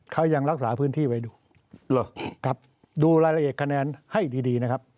เขายังรักษาพื้นที่ไว้ดูครับดูรายละเอียดคะแนนให้ดีดีนะครับ